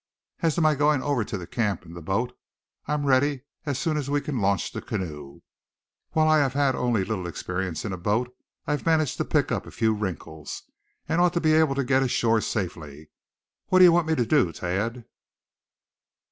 As to my going over to the camp in the boat, I'm ready, as soon as we can launch the canoe. While I have had only a little experience in a boat, I've managed to pick up a few wrinkles, and ought to be able to get ashore safely. What do you want me to do, Thad?"